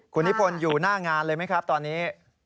คุณนิพนธ์อยู่หน้างานเลยไหมครับตอนนี้